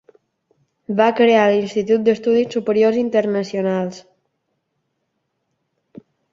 Va crear l'Institut d'Estudis Superiors Internacionals.